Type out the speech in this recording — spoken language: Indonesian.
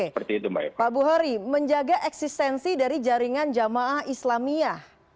pak buhari menjaga eksistensi dari jaringan jamaah islamiyah